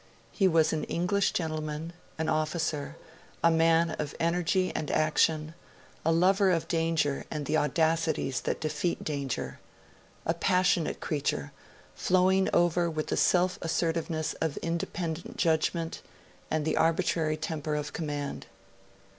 He was an English gentleman, an officer, a man of energy and action, a lover of danger and the audacities that defeat danger; a passionate creature, flowing over with the self assertiveness of independent judgment and the arbitrary temper of command.